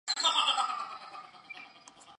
吴越国时复为钱唐县。